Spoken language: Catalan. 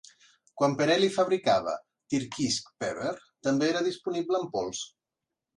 Quan Perelly fabricava Tyrkisk Peber, també era disponible en pols.